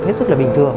hết sức là bình thường